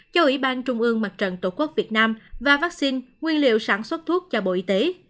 cho ủy ban trung ương mặt trận tổ quốc việt nam và vaccine nguyên liệu sản xuất thuốc cho bộ y tế